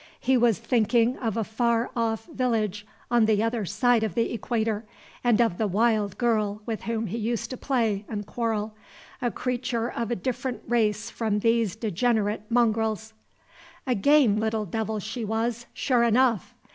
He was thinking of a far off village on the other side of the equator, and of the wild girl with whom he used to play and quarrel, a creature of a different race from these degenerate mongrels. "A game little devil she was, sure enough!"